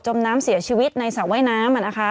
มน้ำเสียชีวิตในสระว่ายน้ำ